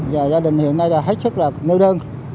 và gia đình hiện nay là hết sức là nêu thân